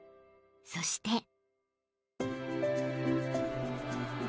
［そして］